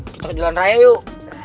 kita ke jalan raya yuk